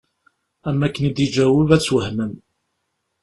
Am akken i d-iğaweb ad twehmem.